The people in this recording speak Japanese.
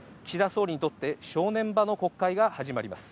総理にとって正念場の国会が始まります。